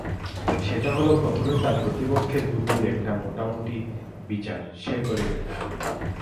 সেটা হল প্রথমে তার প্রতিপক্ষের বুদ্ধির একটা মোটামুটি বিচার সে করে নিত।